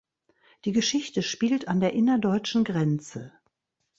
Die Geschichte spielt an der innerdeutschen Grenze.